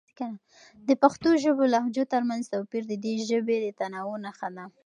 د پښتو ژبې لهجو ترمنځ توپیر د دې ژبې د تنوع نښه ده.